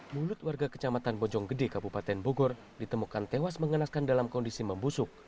mulut warga kecamatan bojonggede kabupaten bogor ditemukan tewas mengenaskan dalam kondisi membusuk